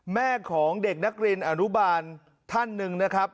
แม่ของเด็กนักเรียนอนุบาลท่านหนึ่งนะครับ